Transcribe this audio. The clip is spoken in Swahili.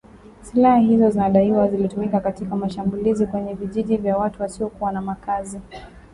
Silaha hizo zinadaiwa zilitumika katika mashambulizi kwenye vijiji vya watu wasiokuwa na makazi